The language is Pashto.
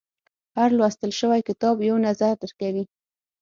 • هر لوستل شوی کتاب، نوی نظر درکوي.